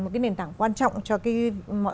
một cái nền tảng quan trọng cho cái mọi